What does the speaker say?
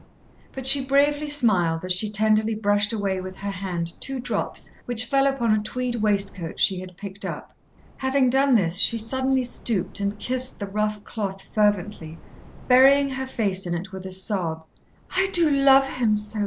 But she bravely smiled as she tenderly brushed away with her hand two drops which fell upon a tweed waistcoat she had picked up. Having done this, she suddenly stooped and kissed the rough cloth fervently, burying her face in it with a sob. "I do love him so!"